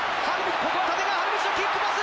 ここは立川理道のキックパス！